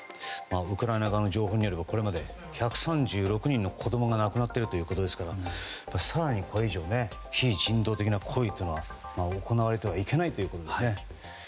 ウクライナ側の情報によればこれまで１３６人の子供が亡くなっているということですから更にこれ以上、非人道的な行為は行われてはいけないということですね。